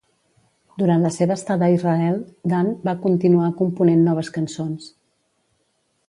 Durant la seva estada a Israel, Dan va continuar component noves cançons.